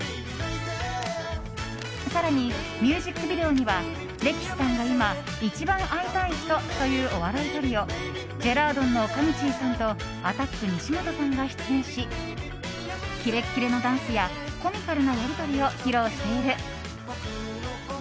更に、ミュージックビデオにはレキシさんが今一番会いたい人というお笑いトリオジェラードンのかみちぃさんとアタック西本さんが出演しキレキレのダンスやコミカルなやり取りを披露している。